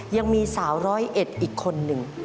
ยังมีสาวร้อยเอ็ดอีกคนนึง